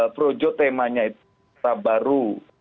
projo temanya itu baru